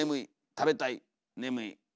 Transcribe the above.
食べたい眠い」。